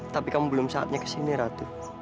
tapi kamu belum saatnya kesini ratu